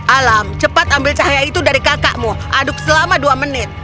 alam cepat ambil cahaya itu dari kakakmu aduk selama dua menit